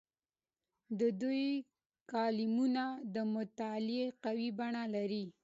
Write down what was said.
د دوی کالمونه د مطالعې قوي بڼې لري.